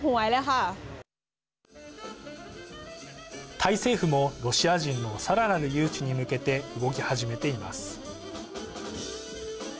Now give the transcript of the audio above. タイ政府もロシア人のさらなる誘致に向けて動き始めています。